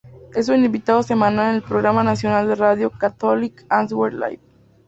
Es un invitado semanal en el programa nacional de radio Catholic Answers Live.